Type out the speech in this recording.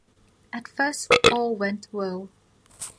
At first all went well.